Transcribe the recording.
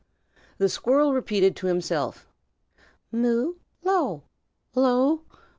The squirrel repeated to himself, "Moo! low!